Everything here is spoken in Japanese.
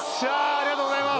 ありがとうございます。